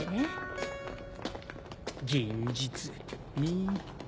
現実ねぇ。